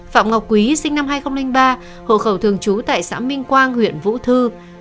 phạm ngọc quý sinh năm hai nghìn ba hộ khẩu thường trú tại xã minh quang huyện vũ thư